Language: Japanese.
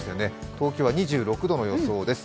東京は２６度の予想です。